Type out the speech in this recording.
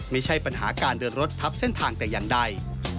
ไม่ใช่ปัญหาการเดินรถทับเส้นทางแต่อย่างใด